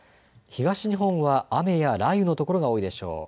東日本は雨や雷雨の所が多いでしょう。